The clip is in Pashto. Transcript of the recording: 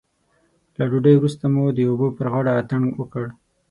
له ډوډۍ وروسته مو د اوبو پر غاړه اتڼ وکړ.